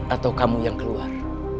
atau kamu yang keluar